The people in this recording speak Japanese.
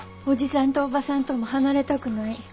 おじさんとおばさんとも離れたくない。